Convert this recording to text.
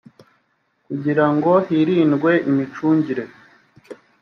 kugira ngo hirindwe imicungire